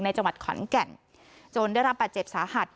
จังหวัดขอนแก่นจนได้รับบาดเจ็บสาหัส